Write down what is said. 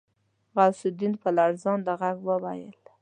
غوث الدين په لړزانده غږ وويل.